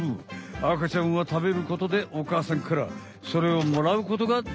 あかちゃんはたべることでおかあさんからそれをもらうことができるんだよね。